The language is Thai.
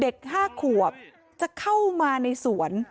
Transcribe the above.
เด็ก๕ขวบจะเข้ามาในน้ำสวน